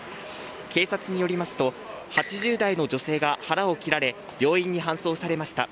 警察によりますと８０代の女性が腹を切られ病院に搬送されました。